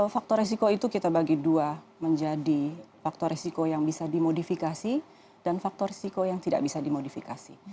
faktor resiko itu kita bagi dua menjadi faktor resiko yang bisa dimodifikasi dan faktor risiko yang tidak bisa dimodifikasi